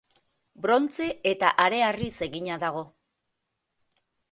Brontze eta hareharriz egina dago.